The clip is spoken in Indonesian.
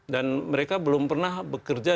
dan mereka belum pernah bekerja